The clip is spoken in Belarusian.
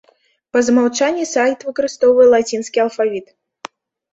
Па змаўчанні сайт выкарыстоўвае лацінскі алфавіт.